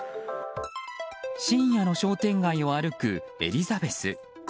深夜の商店街を歩くエリザベス。